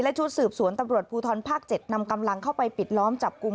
ชุดสืบสวนตำรวจภูทรภาค๗นำกำลังเข้าไปปิดล้อมจับกลุ่ม